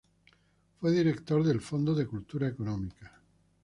Fue director del Fondo de Cultura Económica.